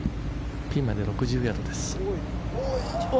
ピンまで６０ヤードです。